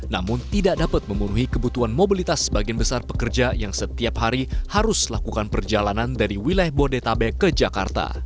namun tidak dapat memenuhi kebutuhan mobilitas sebagian besar pekerja yang setiap hari harus lakukan perjalanan dari wilayah bodetabek ke jakarta